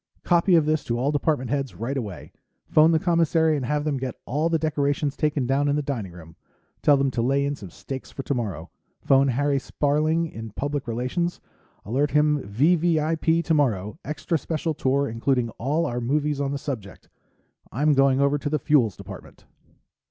"Copy of this to all department heads, right away. Phone the commissary and have them get all the decorations taken down in the dining room. Tell them to lay in some steaks for tomorrow. Phone Harry Sparling in Public Relations alert him V.V.I.P. tomorrow, extra special tour including all our movies on the subject. I'm going over to the Fuels Department."